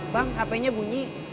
bang hapenya bunyi